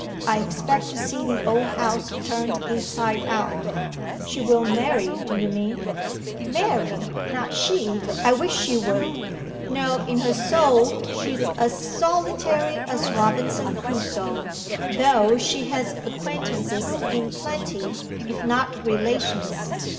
I expect to see the old house turned inside out.' 'She will marry, do you mean?' 'Marry not she! I wish she would. No, in her soul she's as solitary as Robinson Crusoe, though she has acquaintances in plenty, if not relations.